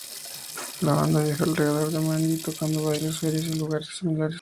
La banda viajó alrededor de Maine, tocando en bailes, ferias, y lugares similares.